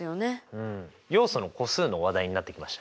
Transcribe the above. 要素の個数の話題になってきましたね。